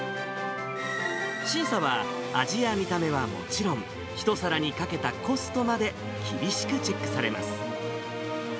審査は、味や見た目はもちろん、一皿にかけたコストまで、厳しくチェックされます。